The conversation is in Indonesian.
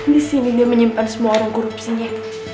di sini dia menyimpan semua orang korupsinya